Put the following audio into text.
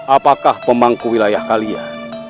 apakah pembangku wilayah kalian